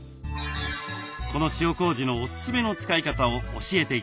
この塩こうじのおすすめの使い方を教えて頂きます。